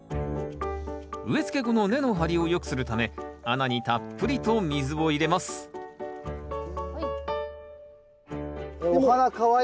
植えつけ後の根の張りをよくするため穴にたっぷりと水を入れますお花かわいいんですけど。